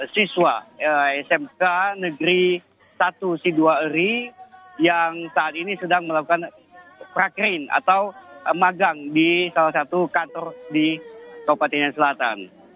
siswa smk negeri satu si dua eri yang saat ini sedang melakukan prakrin atau magang di salah satu kantor di kabupaten selatan